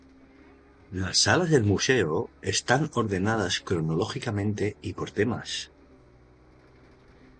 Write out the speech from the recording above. Las salas del museo están ordenadas cronológicamente y por temas.